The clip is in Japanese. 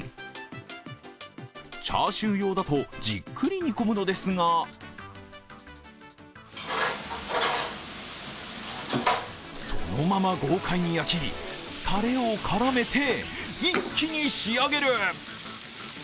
チャーシュー用だとじっくり煮込むのですがそのまま豪快に焼き、たれを絡めて一気に仕上げる。